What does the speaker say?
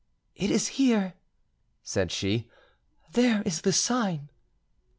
"It is here," said she. "There is the sign."